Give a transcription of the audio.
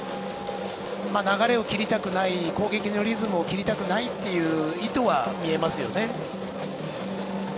流れを切りたくない、攻撃のリズムを切りたくないという意図は見えますよね。